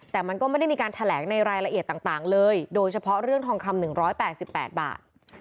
แต่มันก็ไม่ได้มีการแถลงในรายละเอียดต่างเลยโดยเฉพาะเรื่องทองคำ๑๘๘บาท